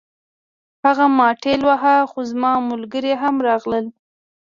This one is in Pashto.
هغه ما ټېل واهه خو زما ملګري هم راغلل